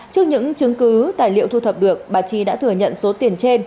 trước những chứng cứ tài liệu thu thập được bà chi đã thừa nhận số tiền trên